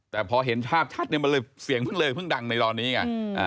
แต่พอเห็นภาพชัดเนี่ยมันเลยเสียงเพิ่งเลยเพิ่งดังในตอนนี้ไง